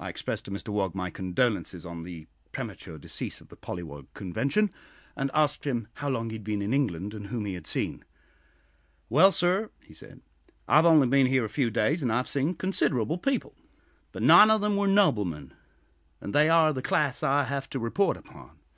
I expressed to Mr Wog my condolences on the premature decease of the Pollywog Convention, and asked him how long he had been in England, and whom he had seen. "Well, sir," he said, "I have only been here a few days, and I have seen considerable people; but none of them were noblemen, and they are the class I have to report upon.